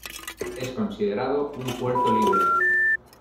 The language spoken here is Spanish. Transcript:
Es considerado un puerto libre.